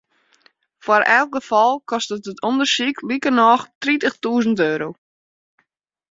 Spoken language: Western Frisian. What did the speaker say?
Foar elk gefal kostet it ûndersyk likernôch tritichtûzen euro.